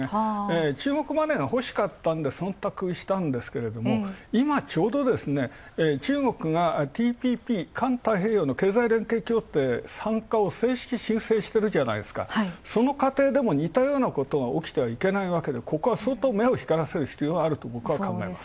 中国マネーがほしかったので忖度したが、今、ちょうど中国がＴＰＰ、環太平洋の協定に参加を正式に申請してるじゃないですか、その過程でも似たようなことがおきることはいけないわけでここは相当、目を光らせる必要があると僕は考えます。